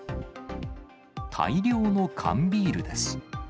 大量の缶ビールです。